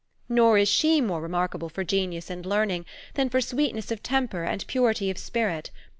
Nor is she more remarkable for genius and learning, than for sweetness of temper and purity of spirit.